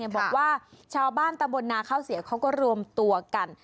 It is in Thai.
บอกว่าชาวบ้านตำบลนาข้าวเสียเขาก็รวมตัวกัน